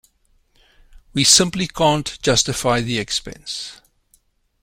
We simply can't justify the expense.